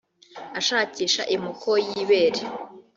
ashakisha imoko y’ibere